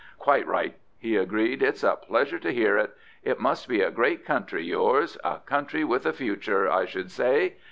"Quite right," he agreed, "it's a pleasure to hear it. It must be a great country, yours; a country with a future, I should say.